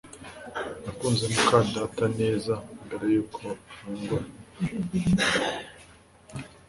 Nakunze muka data neza mbere yuko arongora